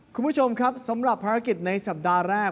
คุณผู้ชมครับสำหรับภารกิจในสัปดาห์แรก